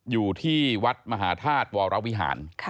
อยู่ที่วัดมหาธาตุวรวิหาร